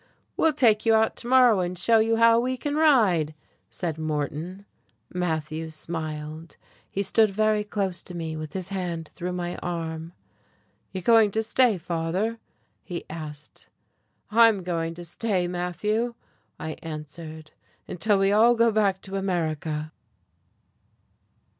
"We'll take you out to morrow and show you how we can ride," said Moreton. Matthew smiled. He stood very close to me, with his hand through my arm. "You're going to stay, father?" he asked. "I'm going to stay, Matthew," I answered, "until we all go back to America."....